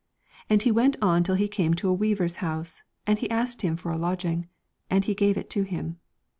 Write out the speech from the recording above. And he went on till he came to a weaver's house, and he asked him for a lodging, and he gave it to him.